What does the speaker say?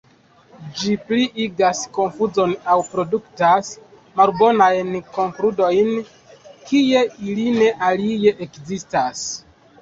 Ĝi pliigas konfuzon aŭ produktas malbonajn konkludojn kie ili ne alie ekzistas.